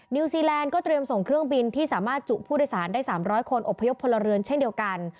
นิวซีแลนด์ก็เตรียมส่งเครื่องบินที่สามารถจุผู้โดยสารได้๓๐๐คนอบพยพพลเรือนเช่นเดียวกัน